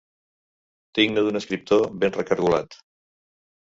Digne d'un escriptor ben recargolat.